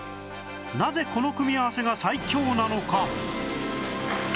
なぜこの組み合わせが最強なのか？